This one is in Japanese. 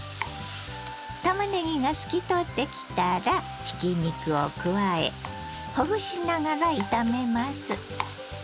たまねぎが透き通ってきたらひき肉を加えほぐしながら炒めます。